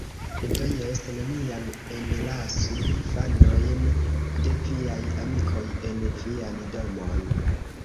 Do jes, neniam enlasu infanojn de viaj amikoj en vian domon.